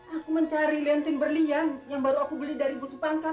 aku mencari liang tin berliang yang baru aku beli dari busu pangkat